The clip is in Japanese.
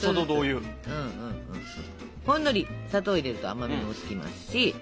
ほんのり砂糖を入れると甘みもつきますし。